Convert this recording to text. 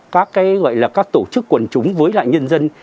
các cái gọi là các tổ chức quần chúng với lại nhân dân